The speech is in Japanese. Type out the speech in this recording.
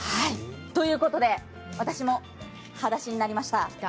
ということで私もはだしになりました。